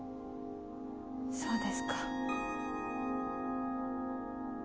そうですか。